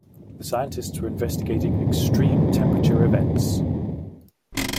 The scientists were investigating extreme temperature events.